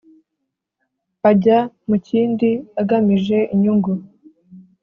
Ajya mu kindi agamije inyungu